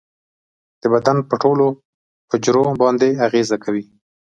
د بدن پر ټولو حجرو باندې اغیزه کوي.